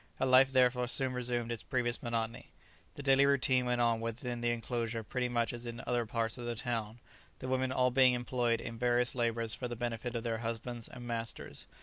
Her life therefore soon resumed its previous monotony. The daily routine went on within the enclosure pretty much as in other parts of the town, the women all being employed in various labours for the benefit of their husbands and masters.